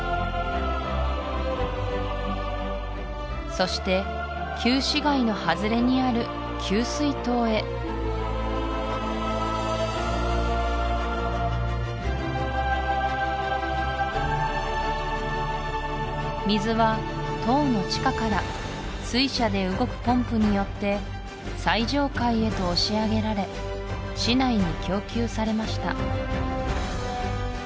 そして旧市街の外れにある給水塔へ水は塔の地下から水車で動くポンプによって最上階へと押し上げられ市内に供給されました